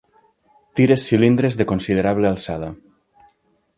Tires cilindres de considerable alçada.